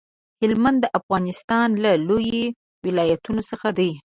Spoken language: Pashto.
هلمند د افغانستان له لويو ولايتونو څخه دی.